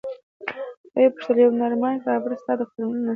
ويې پوښتل يره نو مايک رابرټ ستا د فارمولې نه څه خبر شو.